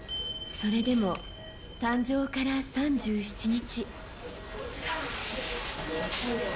それでも、誕生から３７日。